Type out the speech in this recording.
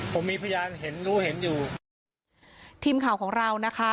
ผมมีพยานเห็นรู้เห็นอยู่ทีมข่าวของเรานะคะ